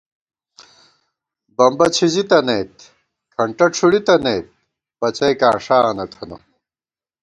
بمبہ څِھزِی تنَئیت، کھنٹہ ڄُھوڑِی تنَئیت، پڅَئیکاں ݭا نَتھنہ